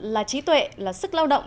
là trí tuệ là sức lao động